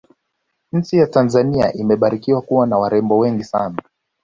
nchi ya tanzania imebarikiwa kuwa na warembo wengi sana